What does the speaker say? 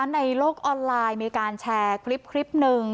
ในโลกออนไลน์มีการแชร์คลิปหนึ่ง